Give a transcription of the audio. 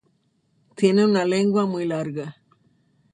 Tiene una lengua muy larga.